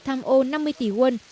tham ô năm mươi tỷ quân